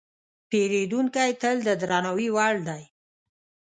پیرودونکی تل د درناوي وړ دی.